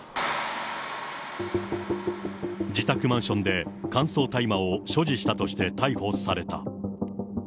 自宅マンションで乾燥大麻を所持したとして逮捕された。